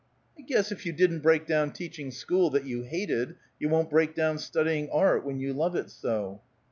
"I guess if you didn't break down teaching school, that you hated, you won't break down studying art, when you love it so."